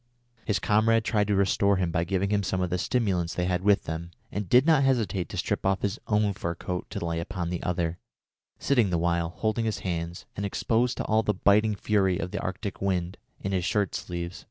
His comrade tried to restore him by giving him some of the stimulants they had with them, and did not hesitate to strip off his own fur coat to lay upon the other, sitting the while, holding his hands, and exposed to all the biting fury of the Arctic wind, in his shirt sleeves.